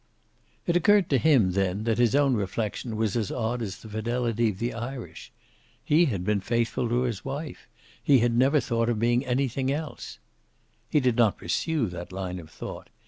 It occurred to him then that his own reflection was as odd as the fidelity of the Irish. He had been faithful to his wife. He had never thought of being anything else. He did not pursue that line of thought.